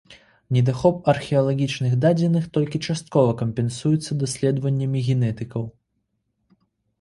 Недахоп археалагічных дадзеных толькі часткова кампенсуецца даследаваннямі генетыкаў.